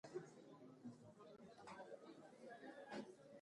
During this period Wales won two Grand Slams and three Triple Crowns.